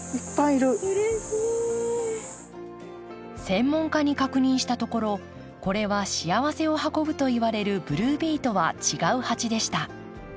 専門家に確認したところこれは幸せを運ぶといわれる「ブルービー」とは違うハチでした。